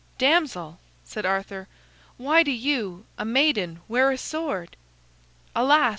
"Damsel," said Arthur, "why do you, a maiden, wear a sword?" "Alas!"